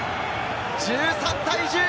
１３対１０！